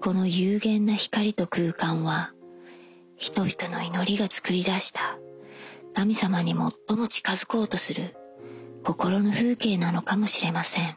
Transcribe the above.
この幽玄な光と空間は人々の祈りが作り出した神様に最も近づこうとする心の風景なのかもしれません。